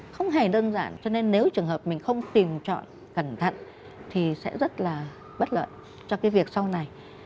không hề đơn giản cho nên nếu trường hợp mình không tìm chọn cẩn thận thì sẽ rất là bất lợi cho cái việc sau này